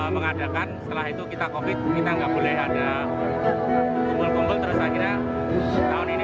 mengadakan setelah itu kita covid kita enggak boleh ada kumpul kumpul terus akhirnya tahun ini